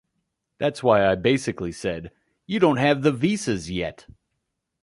That's why I basically said, 'You don't have the visas yet.